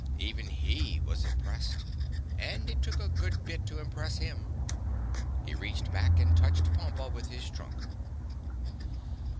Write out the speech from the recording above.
Even he was impressed, and it took a good bit to impress him. He reached back and touched Pompa with his trunk.